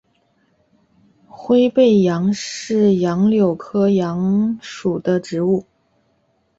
灰背杨是杨柳科杨属的植物。